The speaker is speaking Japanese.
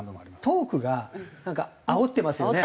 トークがなんかあおってますよね。